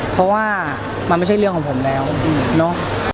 เพราะว่ามันไม่ใช่เรื่องของผมแล้วเนาะ